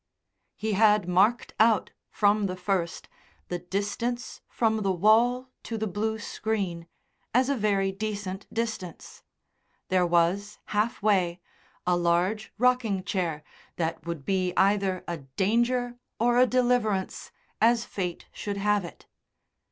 He had marked out, from the first, the distance from the wall to the blue screen as a very decent distance. There was, half way, a large rocking chair that would be either a danger or a deliverance, as Fate should have it.